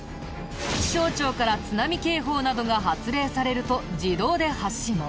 気象庁から津波警報などが発令されると自動で発進。